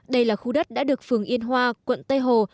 đây là khu đất đã được phường yên hoa quận tây hồ